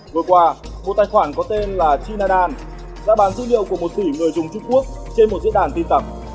vừa qua một tài khoản có tên là chinadan đã bán dữ liệu của một tỷ người dùng trung quốc trên một diễn đàn tin tặc